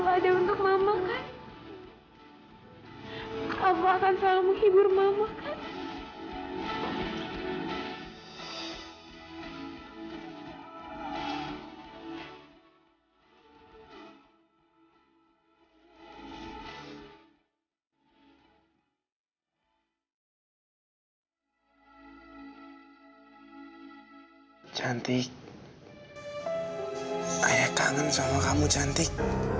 ayah kangen sama kamu cantik